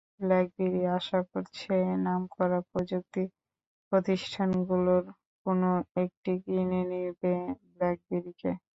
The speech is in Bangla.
ব্ল্যাকবেরি আশা করছে নামকরা প্রযুক্তি প্রতিষ্ঠানগুলোর কোনো একটি কিনে নেবে ব্ল্যাকবেরিকে।